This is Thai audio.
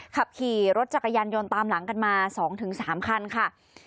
ขับขี่รถจักรยานยนต์ตามหลังกันมา๒๓คันค่ะ